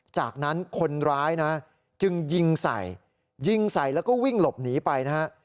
จากนั้นคนร้ายนะจึงยิงใส่ยิงใส่แล้วก็วิ่งหลบหนีไปนะฮะ